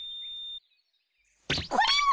これは！